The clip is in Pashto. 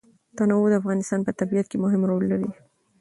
تنوع د افغانستان په طبیعت کې مهم رول لري.